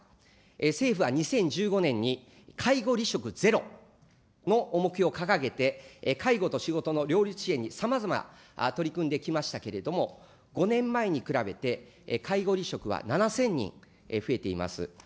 政府は２０１５年に介護離職ゼロの目標を掲げて、介護と仕事の両立支援にさまざま取り組んできましたけれども、５年前に比べて、介護離職は７０００人増えています。